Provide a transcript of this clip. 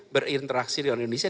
berinteraksi dengan indonesia